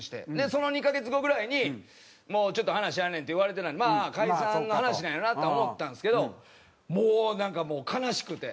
その２カ月後ぐらいに「ちょっと話あるねん」って言われてまあ解散の話なんやろなとは思ったんですけどもうなんか悲しくて。